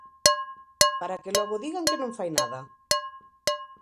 Para que logo digan que non fai nada.